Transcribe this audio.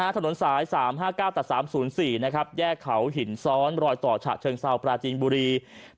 ถนนสาย๓๕๙ตัด๓๐๔แยกเขาหินซ้อนรอยต่อฉะเชิงเซาปราจีนบุรี